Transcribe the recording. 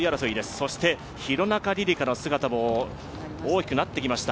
そして廣中璃梨佳の姿も大きくなってきました。